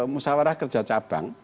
musawarah kerja cabang